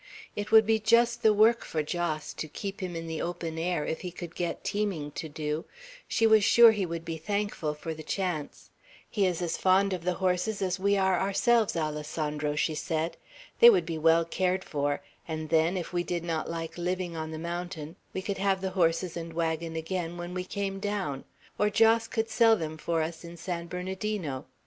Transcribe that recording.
It would be just the work for Jos, to keep him in the open air, if he could get teaming to do; she was sure he would be thankful for the chance. "He is as fond of the horses as we are ourselves, Alessandro," she said. "They would be well cared for; and then, if we did not like living on the mountain, we could have the horses and wagon again when we came down, or Jos could sell them for us in San Bernardino.